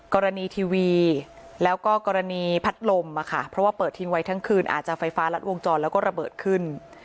กรณีทีวีแล้วก็กรณีพัดลมเพราะว่าเปิดทิ้งไว้ทั้งคืนอาจจะไฟฟ้ารัดวงจรแล้วก็ระเบิดขึ้น